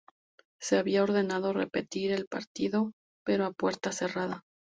Se había ordenado repetir el partido pero a puerta cerrada.